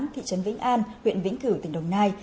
thị trấn vĩnh an huyện vĩnh cửu tỉnh đồng nai